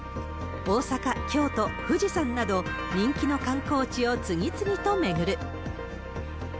大阪、京都、富士山など、人気の観光地を次々と巡る。